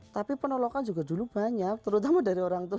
tapi penolakan juga dulu banyak terutama dari orang tua